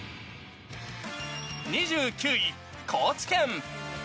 ２９位、高知県。